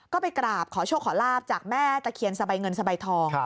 ก็ไปกราบขอโชคขอลาบจากแม่ตะเคียนสะใบเงินสบายทอง